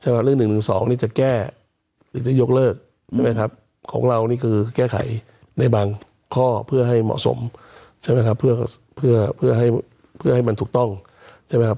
ว่าเรื่อง๑๑๒นี่จะแก้หรือจะยกเลิกใช่ไหมครับของเรานี่คือแก้ไขในบางข้อเพื่อให้เหมาะสมใช่ไหมครับเพื่อให้เพื่อให้มันถูกต้องใช่ไหมครับ